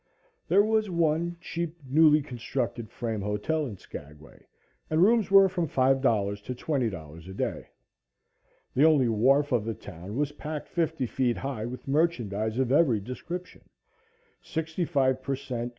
There was one cheap, newly constructed frame hotel in Skagway and rooms were from $5 to $20 a day. The only wharf of the town was packed fifty feet high with merchandise of every description 65 per cent.